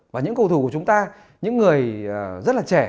và những cầu thủ của chúng ta những người rất là trẻ